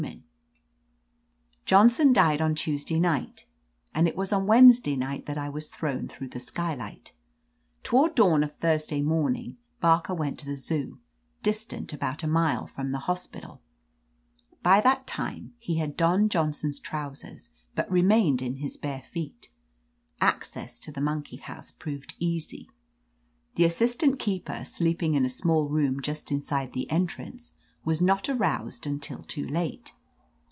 203 \ THE AMAZING ADVENTURES "Johnson died on Tuesday night, and it was on Wednesday night that I was thrown through the skylight Toward dawn of Thurs day morning. Barker went to the Zoo, distant about a mile from the hospital. By that time he had donned Johnson's trousers^ but re mained in his bare feet Access to the mon key house proved easy. The assistant keeper, sleeping in a small room just inside the en trance, was not aroused until too late.